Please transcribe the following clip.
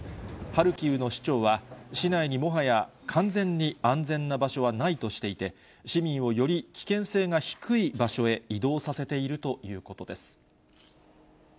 ハルキウの市長は、市内にもはや完全に安全な場所はないとしていて、市民をより危険性が低い場所へ移動させているということです。